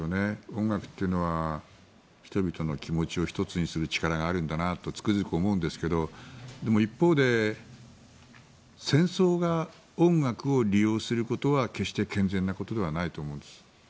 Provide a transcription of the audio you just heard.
音楽というのは人々の気持ちを一つにする力があるんだなってつくづく思うんですけどでも、一方で戦争が音楽を利用することは決して健全なことではないと思うんです。